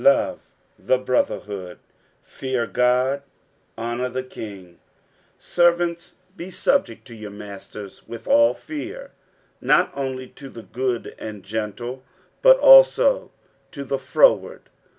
Love the brotherhood. Fear God. Honour the king. 60:002:018 Servants, be subject to your masters with all fear; not only to the good and gentle, but also to the froward.